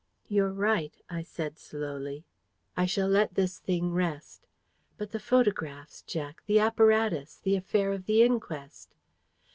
'" "You're right," I said slowly. "I shall let this thing rest. But the photographs, Jack the apparatus the affair of the inquest?"